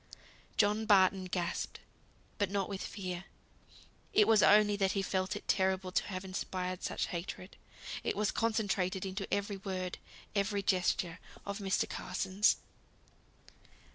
John Barton gasped, but not with fear. It was only that he felt it terrible to have inspired such hatred, as was concentrated into every word, every gesture of Mr. Carson's.